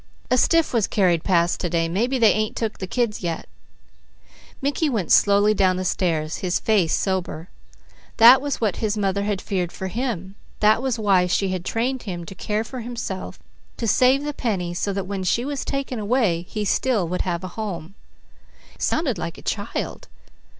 "A stiff was carried past to day. Mebby they ain't took the kids yet." Mickey went slowly down the stairs, his face sober. That was what his mother had feared for him. That was why she had trained him to care for himself, to save the pennies, so that when she was taken away, he still would have a home. Sounded like a child!